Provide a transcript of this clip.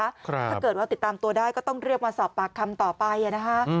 ถ้าเกิดว่าติดตามตัวได้ก็ต้องเรียกมาสอบปากคำต่อไปนะคะ